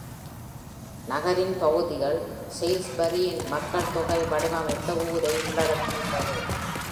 நகரின் பகுதிகள் Salisbury-இன் மக்கள்தொகை-வடிவமைத்த ஊரை உள்ளடக்கியுள்ளது.